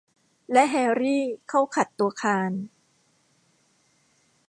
และแฮรี่เข้าขัดตัวคาน